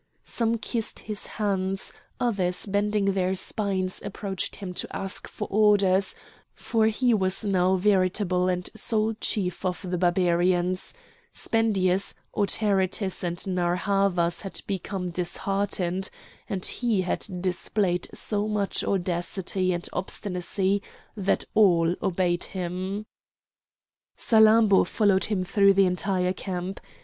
Some kissed his hands; others bending their spines approached him to ask for orders, for he was now veritable and sole chief of the Barbarians; Spendius, Autaritus, and Narr' Havas had become disheartened, and he had displayed so much audacity and obstinacy that all obeyed him. Salammbô followed him through the entire camp.